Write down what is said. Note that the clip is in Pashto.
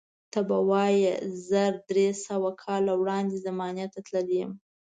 ته به وایې زر درې سوه کاله وړاندې زمانې ته تللی یم.